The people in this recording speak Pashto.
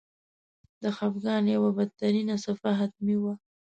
د خپګان یوه بدترینه څپه حتمي وه.